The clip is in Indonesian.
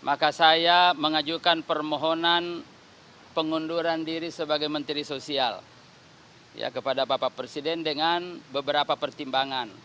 maka saya mengajukan permohonan pengunduran diri sebagai menteri sosial kepada bapak presiden dengan beberapa pertimbangan